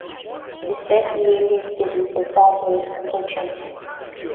It is set in the Indian cities of Bombay and Cochin.